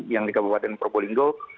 yang di kabupaten probolinggo